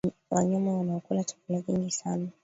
ni wanyama wanaokula chakula kingi sana